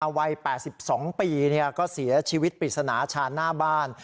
วัย๘๒ปีก็เสียชีวิตปริศนาชานหน้าบ้าน